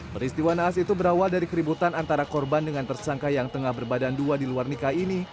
peristiwa naas itu berawal dari keributan antara korban dengan tersangka yang tengah berbadan dua di luar nikah ini